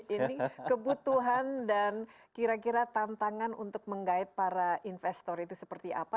ini kebutuhan dan kira kira tantangan untuk menggait para investor itu seperti apa